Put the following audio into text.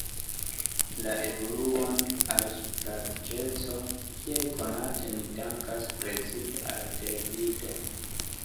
La evoluon al supraĵeco, kiel konate, ni dankas precipe al televido.